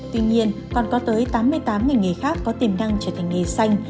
tuy nhiên còn có tới tám mươi tám ngành nghề khác có tiềm năng trở thành nghề xanh